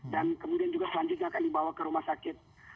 dan kemudian juga selanjutnya akan dibawa ke rumah sakit